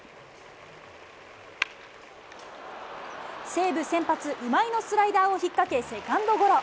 西武先発、今井のスライダーを引っ掛け、セカンドゴロ。